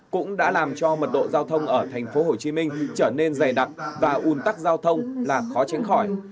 cũng đã làm cho mật độ giao thông ở tp hcm trở nên dày đặc và ùn tắc giao thông là khó tránh khỏi